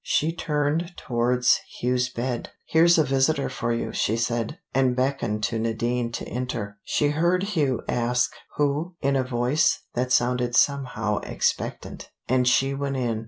She turned towards Hugh's bed. "Here's a visitor for you," she said, and beckoned to Nadine to enter. She heard Hugh ask "Who?" in a voice that sounded somehow expectant, and she went in.